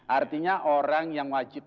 artinya orang yang wajib